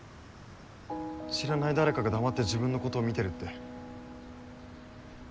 知らない誰かが黙って自分のことを見てるって。